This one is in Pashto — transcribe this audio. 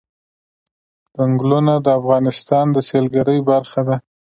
چنګلونه د افغانستان د سیلګرۍ برخه ده.